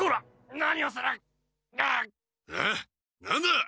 何だ？